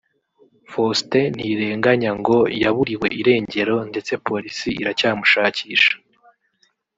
Faustin Ntirenganya ngo yaburiwe irengero ndetse Polisi iracyamushakisha